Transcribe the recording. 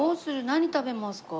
何食べますか？